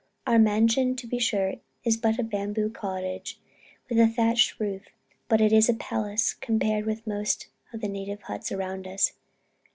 Our mansion, to be sure, is but a bamboo cottage, with a thatched roof, but is a palace compared with most of the native huts around us.